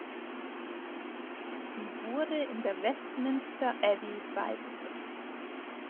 Sie wurde in der Westminster Abbey beigesetzt.